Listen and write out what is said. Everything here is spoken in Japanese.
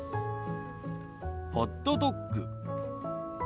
ホットドッグ。